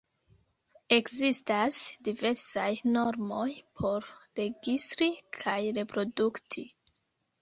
Ekzistas diversaj normoj por registri kaj reprodukti.